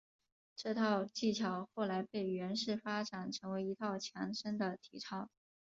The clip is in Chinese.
这套技巧后来被阮氏发展成为一套强身的体操。